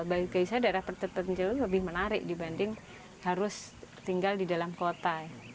bagi saya daerah perpencil itu lebih menarik dibanding harus tinggal di dalam kota